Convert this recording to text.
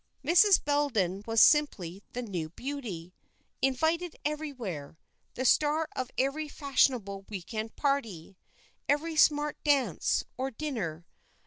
Mrs. Bellenden was simply the new beauty; invited everywhere; the star of every fashionable week end party, every smart dance or dinner.